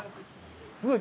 すごい！